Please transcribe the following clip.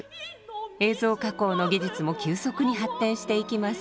映像加工の技術も急速に発展していきます。